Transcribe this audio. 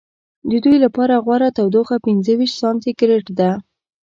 د دوی لپاره غوره تودوخه پنځه ویشت سانتي ګرېد ده.